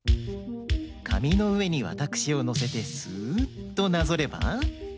かみのうえにわたくしをのせてスッとなぞれば。